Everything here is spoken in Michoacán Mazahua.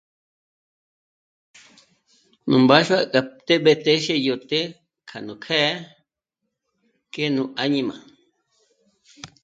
Nú mbáxua k'a té'b'e téxe yó të́'ë kja nú kjě'e k'e nú áñima